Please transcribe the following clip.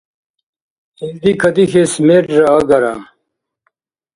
Илди кадихьес мерра агара.